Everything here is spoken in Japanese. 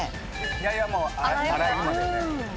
左はもうアライグマだよね。